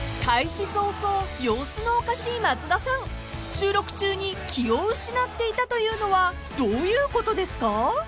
［収録中に気を失っていたというのはどういうことですか？］